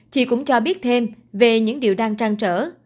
chị cũng cho biết thêm về những điều đang trăn trở